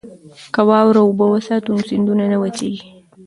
که واوره اوبه وساتو نو سیندونه نه وچیږي.